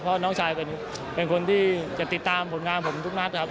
เพราะน้องชายเป็นคนที่จะติดตามผลงานผมทุกนัดครับ